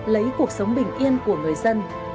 lấy cuộc sống bình yên của người dân